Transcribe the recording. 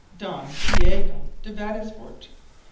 _Don Diego de Vadesforte.